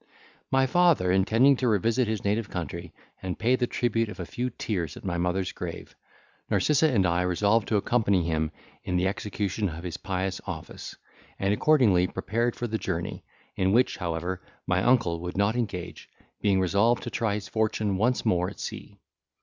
My father intending to revisit his native country, and pay the tribute of a few tears at my mother's grave, Narcissa and I resolved to accompany him in the execution of his pious office, and accordingly prepared for the journey, in which, however, my uncle would not engage, being resolved to try his fortune once more at sea.